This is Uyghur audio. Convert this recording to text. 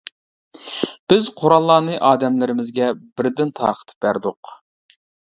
بىز قوراللارنى ئادەملىرىمىزگە بىردىن تارقىتىپ بەردۇق.